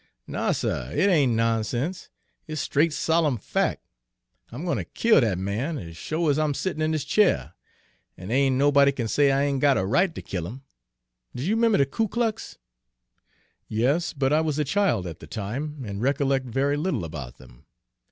"No, suh, it ain' nonsense, it's straight, solem' fac'. I'm gwine ter kill dat man as sho' as I'm settin' in dis cheer; an' dey ain' nobody kin say I ain' got a right ter kill 'im. Does you 'member de Ku Klux?" "Yes, but I was a child at the time, and recollect very little about them.